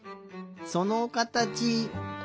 そのかたち。